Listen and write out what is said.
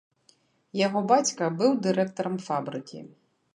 Яго бацька быў дырэктарам фабрыкі.